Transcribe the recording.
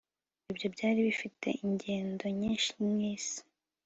Ibyo byari bifite ingendo nyinshi nkisi